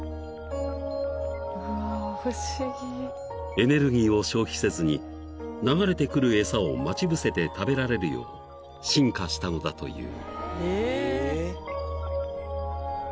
［エネルギーを消費せずに流れてくる餌を待ち伏せて食べられるよう進化したのだという］